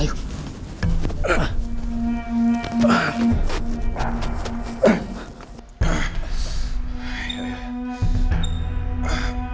aku mau ke rumah